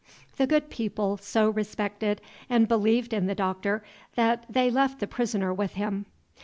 The good people so respected and believed in the Doctor that they left the prisoner with him.